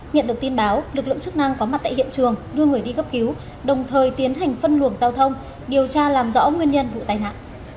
nhận được tin báo lực lượng chức năng có mặt tại hiện trường đưa người đi cấp cứu đồng thời tiến hành phân luồng giao thông điều tra làm rõ nguyên nhân vụ tai nạn